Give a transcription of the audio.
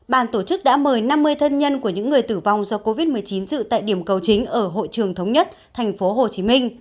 bàn tổ chức đã mời năm mươi thân nhân của những người tử vong do covid một mươi chín dự tại điểm cầu chính ở hội trường thống nhất tp hcm